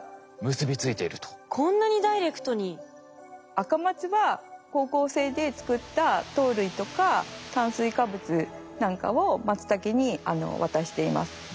アカマツは光合成で作った糖類とか炭水化物なんかをマツタケに渡しています。